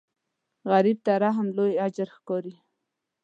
غریب ته رحم لوی اجر ښکاري